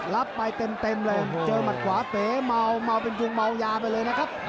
รับไปเต็มเลยเจอหมัดขวาเป๋เมาเมาเป็นจุงเมายาไปเลยนะครับ